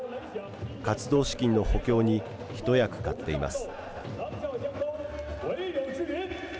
活動資金の補強に一役買っています。